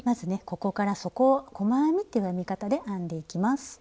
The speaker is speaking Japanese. ここから底を細編みっていう編み方で編んでいきます。